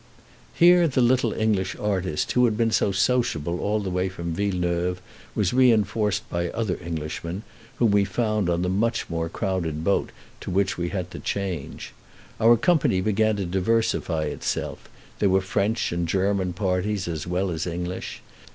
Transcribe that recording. Here the little English artist who had been so sociable all the way from Villeneuve was reinforced by other Englishmen, whom we found on the much more crowded boat to which we had to change. Our company began to diversify itself: there were French and German parties as well as English.